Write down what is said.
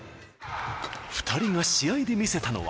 ２人が試合で見せたのは。